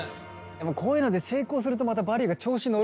でもこういうので成功するとまた「バリュー」が調子乗るのよ。